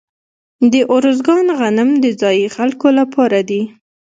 د ارزګان غنم د ځايي خلکو لپاره دي.